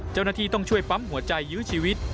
เจ้าหน้าที่ต้องช่วยปั๊มหัวใจยื้อชีวิต